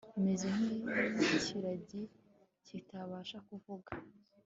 meze nk'ikiragi kitabasha kuvuga